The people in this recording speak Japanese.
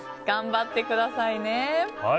頑張ってくださいね。